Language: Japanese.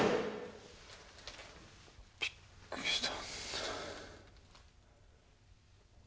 ・びっくりした。